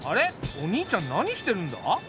お兄ちゃん何してるんだ？